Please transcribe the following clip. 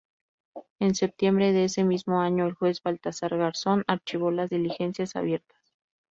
En septiembre de ese mismo año el juez Baltasar Garzón archivó las diligencias abiertas.